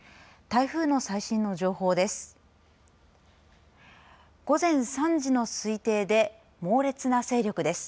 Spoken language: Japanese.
台風の最新の情報です。